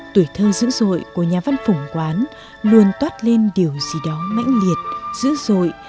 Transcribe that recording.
tuổi thơ dữ dội của nhà văn phùng quán luôn toát lên điều gì đó mãnh liệt dữ dội